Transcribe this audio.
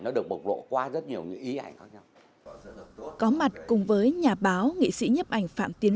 nó được bộc lộ qua rất nhiều những ý ảnh khác nhau có mặt cùng với nhà báo nghị sĩ nhấp ảnh phạm tiến